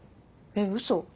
えっ嘘？